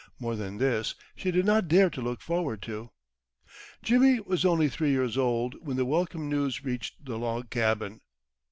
More than this she did not dare to look forward to. Jimmy was only three years old when the welcome news reached the log cabin.